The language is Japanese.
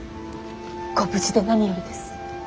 ご無事で何よりです。